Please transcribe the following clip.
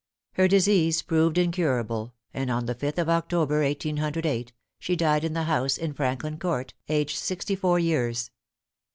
Her disease proved incurable, and on the 5th of October, 1808, she died in the house in Franklin Court, aged sixty four years.